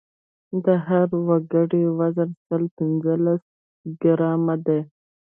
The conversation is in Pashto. د هرې ګردې وزن سل پنځوس ګرامه دی.